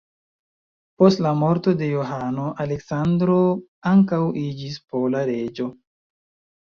Post la morto de Johano, Aleksandro ankaŭ iĝis pola reĝo.